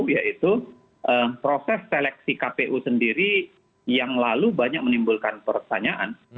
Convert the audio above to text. yaitu proses seleksi kpu sendiri yang lalu banyak menimbulkan pertanyaan